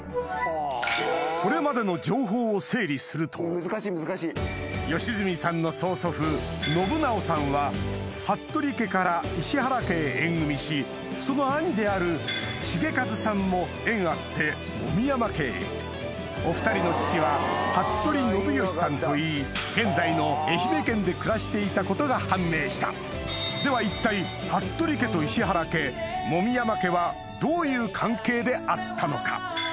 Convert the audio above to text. これまでの良純さんの曽祖父信直さんは服部家から石原家へ縁組しその兄である重算さんも縁あって籾山家へお２人の父は服部信義さんといい現在の愛媛県で暮らしていたことが判明したでは一体服部家と石原家籾山家はどういう関係であったのか？